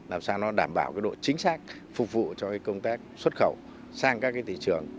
làm sao nó đảm bảo độ chính xác phục vụ cho công tác xuất khẩu sang các thị trường